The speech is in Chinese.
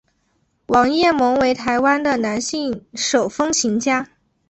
王雁盟为台湾的男性手风琴家。